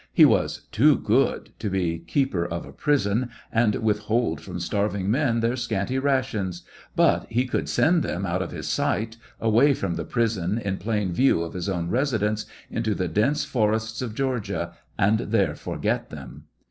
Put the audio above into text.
He was too good to be keeper of a prison, and withold from starving men their scanty rations ; but he could send them out of his sight, away from the prison in plain view of his own residence, into the dense forests of Georgia, and there forget them.